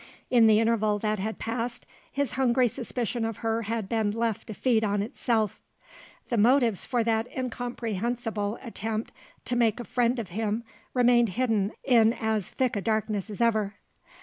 In the interval that had passed, his hungry suspicion of her had been left to feed on itself. The motives for that incomprehensible attempt to make a friend of him remained hidden in as thick a darkness as ever.